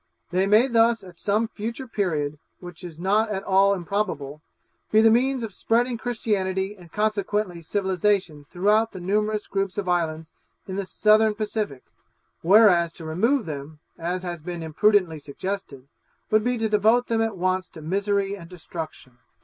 They may thus at some future period, which is not at all improbable, be the means of spreading Christianity and consequently civilization throughout the numerous groups of islands in the Southern Pacific; whereas to remove them, as has been imprudently suggested, would be to devote them at once to misery and destruction.